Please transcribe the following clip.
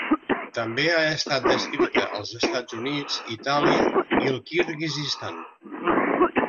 També ha estat descrita als Estats Units, Itàlia i el Kirguizistan.